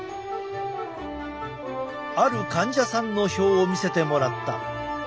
ある患者さんの表を見せてもらった。